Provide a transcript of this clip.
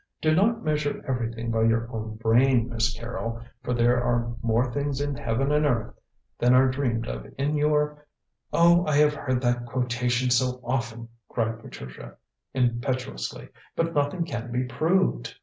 Do not measure everything by your own brain, Miss Carrol, for there are more things in heaven and earth than are dreamed of in your " "Oh, I have heard that quotation so often," cried Patricia impetuously; "but nothing can be proved."